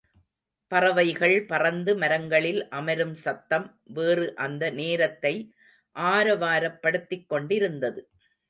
பறவைகள் பறந்து மரங்களில் அமரும் சத்தம் வேறு அந்த நேரத்தை ஆரவாரப் படுத்திக் கொண்டிருந்தது.